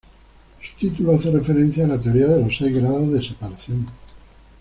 Su título hace referencia a la teoría de los seis grados de separación.